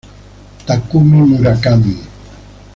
Takumi Murakami